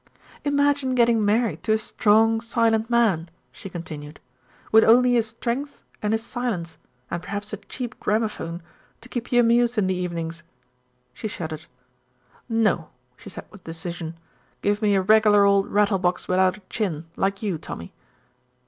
"Imagine getting married to a strong, silent man," she continued, "with only his strength and his silence, and perhaps a cheap gramophone, to keep you amused in the evenings." She shuddered. "No," she said with decision, "give me a regular old rattle box without a chin, like you, Tommy."